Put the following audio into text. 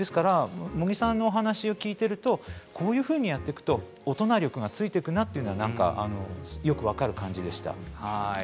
茂木さんのお話を聞いているとこういうふうにやっていくと大人力がついていくなというのがよく分かる感じでした。